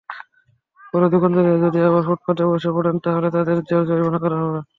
পরে দোকানিরা যদি আবার ফুটপাতে বসে পড়েন, তাহলে তাঁদের জেল-জরিমানা করা হবে।